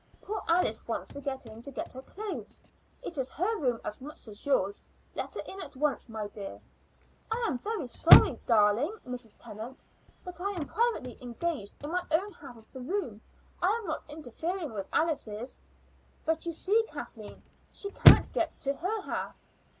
Poor Alice wants to get in to get her clothes. It is her room as much as yours. Let her in at once, my dear." "I am very sorry, darling Mrs. Tennant, but I am privately engaged in my own half of the room. I am not interfering with Alice's." "But you see, Kathleen, she can't get to her half."